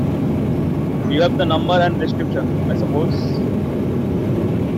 You have the number and description, I suppose?